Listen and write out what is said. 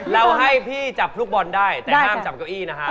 เราให้พี่จับลูกบอลได้แต่ห้ามจับเก้าอี้นะฮะ